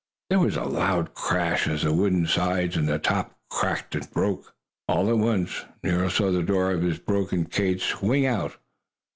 There was a loud crash as the wooden sides and top cracked and broke. All at once Nero saw the door of his broken cage swing open.